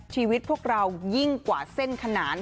ชีวิตพวกเรายิ่งกว่าเส้นขนาน